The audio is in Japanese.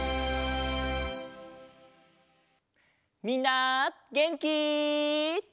みんなげんき？